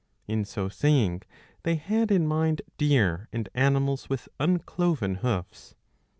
In so saying they had in mind deer and animals with uncloven hoofs.